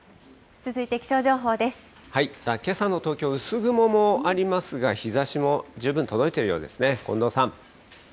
けさの東京、薄雲もありますが、日ざしも十分届いているようですね。